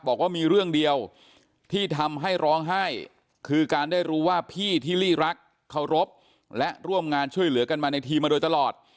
บอกว่ามีเรื่องเดียวที่ทำให้ร้องไห้คือการได้รู้ว่าพี่ที่ลี่รักเคารพและร่วมงานช่วยเหลือกันมาในทีมาโดยตลอด